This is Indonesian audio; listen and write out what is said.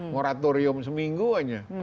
moratorium seminggu aja